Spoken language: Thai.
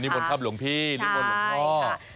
นี่บนครับหลวงพี่นี่บนหลวงพ่อ